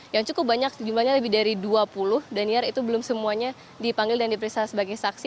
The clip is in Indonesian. yang cukup banyak jumlahnya lebih dari dua puluh daniar itu belum semuanya dipanggil dan diperiksa sebagai saksi